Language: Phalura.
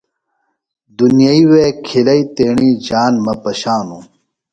دُنیئی وےکھلیئی تیݨی ژان مہ پشانوۡ۔